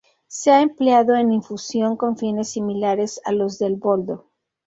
Se ha empleado en infusión con fines similares a los del boldo.